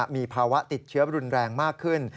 มีภาวะติดเชื้อรุนแรงมากขึ้น